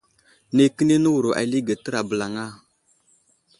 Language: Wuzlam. Nay kəni nəwuro alige tera bəlama.